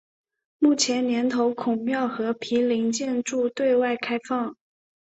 目前连同孔庙和碑林建筑对外开放。